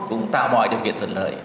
cũng tạo mọi điều kiện thuận lợi